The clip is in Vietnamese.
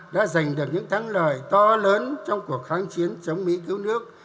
đã giành được những thắng lợi to lớn trong cuộc kháng chiến chống mỹ cứu nước